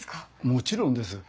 もちろんです。